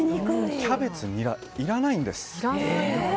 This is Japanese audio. キャベツ、ニラいらないんです。